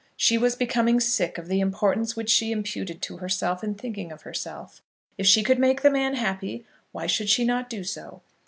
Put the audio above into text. She was becoming sick of the importance which she imputed to herself in thinking of herself. If she could make the man happy why should she not do so?